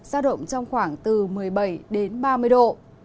giao động trong khoảng từ một mươi bảy hai mươi độ